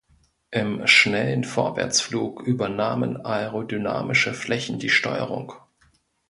Im schnellen Vorwärtsflug übernahmen aerodynamische Flächen die Steuerung.